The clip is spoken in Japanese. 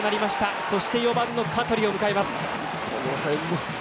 そして、４番の香取を迎えます。